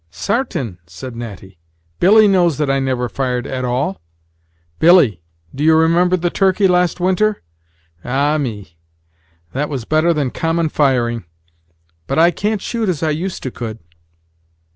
"Sartain," said Natty; "Billy knows that I never fired at all. Billy, do you remember the turkey last winter? Ah me! that was better than common firing; but I can't shoot as I used to could."